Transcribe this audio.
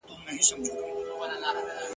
ونو هسي هم د وینو رنګ اخیستی ..